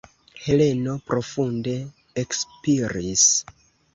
Heleno profunde ekspiris.